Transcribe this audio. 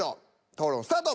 討論スタート。